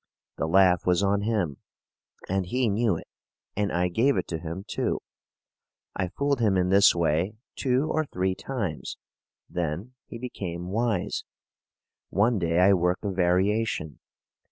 The laugh was on him, and he knew it, and I gave it to him, too. I fooled him in this way two or three times; then be became wise. One day I worked a variation.